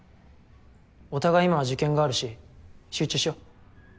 お互い今は受験があるし集中しよ。